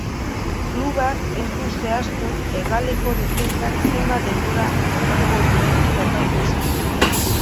Klubak ez du zehaztu hegaleko defentsak zenbat denbora emango duen jokatu ezinik.